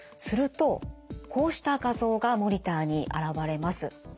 するとこうした画像がモニターに現れます。